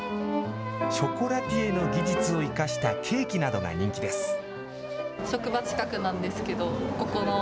ショコラティエの技術を生かしたケーキなどが人気です。